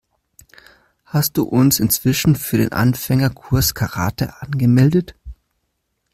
Hast du uns inzwischen für den Anfängerkurs Karate angemeldet?